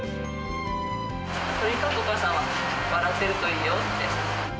とにかくお母さんは、笑ってるといいよって。